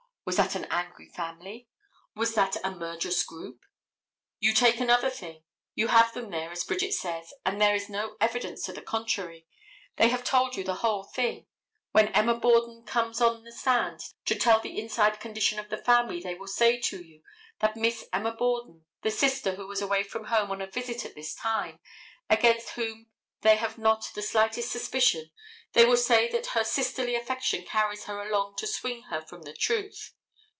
Was that an angry family? Was that a murderous group? You take another thing. You have them there, as Bridget says, and there is no evidence to the contrary; they have told you the whole thing; when Emma Borden comes on the stand to tell the inside condition of the family they will say to you that Miss Emma Borden, the sister who was away from home on a visit at this time, against whom they have not the slightest suspicion, but they will say that her sisterly affection carries her along to swing her from the truth.